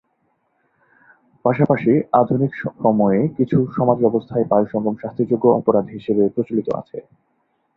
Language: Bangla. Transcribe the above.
পাশাপাশি, আধুনিক সময়ে কিছু সমাজব্যবস্থায় পায়ুসঙ্গম শাস্তিযোগ্য অপরাধ হিসেবে প্রচলিত আছে।